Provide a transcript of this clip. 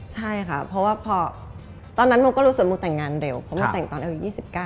ใช่ค่ะเพราะว่าพอตอนนั้นโมก็รู้สึกโมแต่งงานเร็วเพราะโมแต่งตอนอายุ๒๙